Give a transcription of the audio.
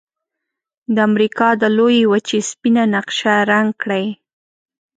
د امریکا د لویې وچې سپینه نقشه رنګ کړئ.